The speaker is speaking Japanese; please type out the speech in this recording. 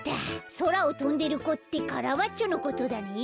そらをとんでる子ってカラバッチョのことだね。